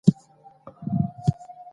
هغه سړی تر کوره پوري ورسره ولاړی.